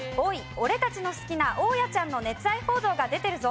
俺たちの好きな大家ちゃんの熱愛報道が出てるぞ」